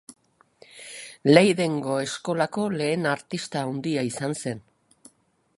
Leidengo Eskolako lehen artista handia izan zen.